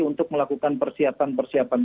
untuk melakukan persiapan persiapan